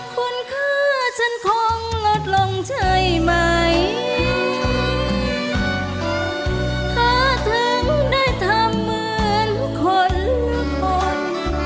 คุณค่าฉันคงลดลงใช่ไหมถ้าถึงได้ทำเหมือนคนคน